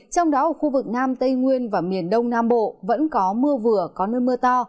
trong đó ở khu vực nam tây nguyên và miền đông nam bộ vẫn có mưa vừa có nơi mưa to